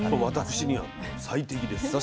私には最適です。